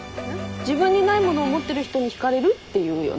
自分にないものを持ってる人に引かれるっていうよね。